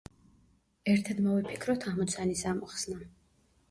ერთად მოვიფიქროთ ამოცანის ამოხსნა.